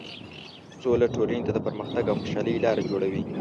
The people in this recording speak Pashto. سوله ټولنې ته د پرمختګ او خوشحالۍ لاره جوړوي.